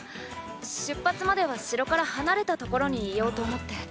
出発までは城から離れた所に居ようと思って。